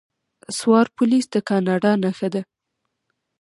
سوار پولیس د کاناډا نښه ده.